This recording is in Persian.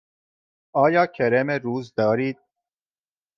آیا کرم روز دارید؟